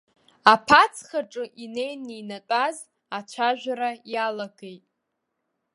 Аԥацхаҿы инеины инатәаз ацәажәара иалагеит.